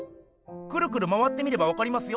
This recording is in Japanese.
くるくる回って見ればわかりますよ。